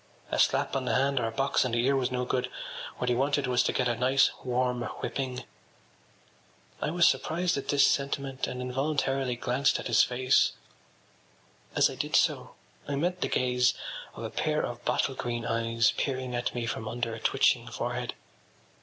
A slap on the hand or a box on the ear was no good: what he wanted was to get a nice warm whipping. I was surprised at this sentiment and involuntarily glanced up at his face. As I did so I met the gaze of a pair of bottle green eyes peering at me from under a twitching forehead.